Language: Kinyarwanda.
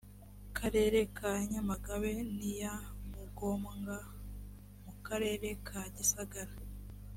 karere ka nyamagabe n iya mugombwa mu karere ka gisagara